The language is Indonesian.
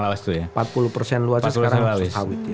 empat puluh persen luasnya sekarang sawit